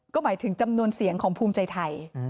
ก็หมายถึงจำนวนเสียงของภูมิใจไทย